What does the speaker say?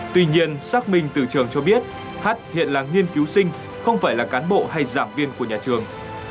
tuy nhiên xác minh từ trường cho biết h hiện là nghiên cứu sinh không phải là cán bộ hay giảng viên của nhà trường